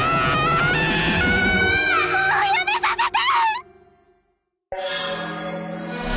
もうやめさせて！